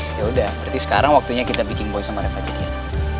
yaudah berarti sekarang waktunya kita bikin boy sama reva jadiin